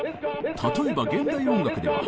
例えば現代音楽では。